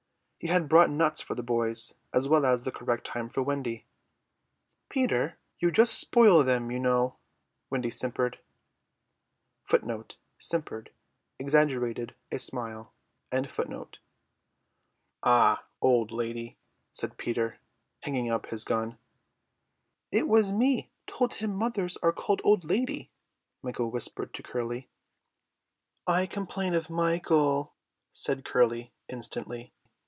He had brought nuts for the boys as well as the correct time for Wendy. "Peter, you just spoil them, you know," Wendy simpered. "Ah, old lady," said Peter, hanging up his gun. "It was me told him mothers are called old lady," Michael whispered to Curly. "I complain of Michael," said Curly instantly.